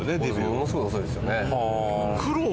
ものすごい遅いですよね。